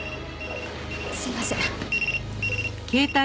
すいません。